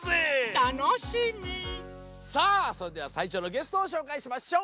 さあそれではさいしょのゲストをしょうかいしましょう！